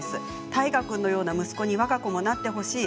太賀君のような息子にわが子もなってほしい。